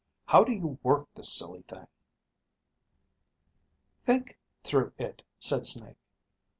"How do you work this silly thing?" Think ... through ... it, said Snake.